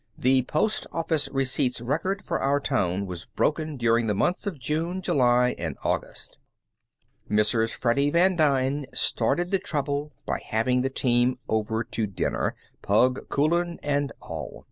The postoffice receipts record for our town was broken during the months of June, July, and August. Mrs. Freddy Van Dyne started the trouble by having the team over to dinner, "Pug" Coulan and all.